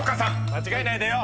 間違えないでよ！